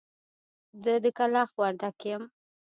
زه د کلاخ وردک يم.